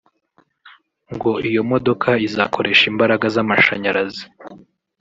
ngo iyo modoka izakoresha imbaraga z’amashanyarazi